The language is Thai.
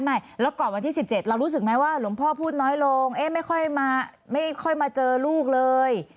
ไม่แล้วก่อนวันที่๑๗เรารู้สึกไหมว่าหลวงพ่อพูดน้อยลงไม่ค่อยมาเจอลูกเลย